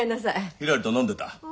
ひらりと飲んでた。